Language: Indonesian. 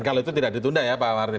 dan kalau itu tidak ditunda ya pak martin